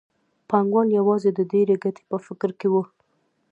پانګوال یوازې د ډېرې ګټې په فکر کې وو